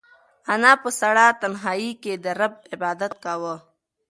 انا په سړه تنهایۍ کې د رب عبادت کاوه.